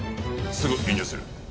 すぐ臨場する。